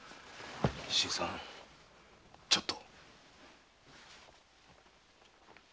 新さんちょっと。